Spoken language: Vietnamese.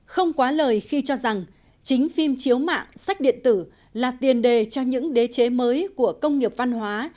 không quá lời khi cho rằng chính phim chiếu mạng sách điện tử là tiền đề cho những đế chế mới của công nghiệp văn hóa